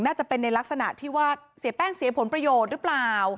น่าจะเป็นในลักษณะที่ว่าเสียแป้งเสียผลประโยชน์หรือเปล่า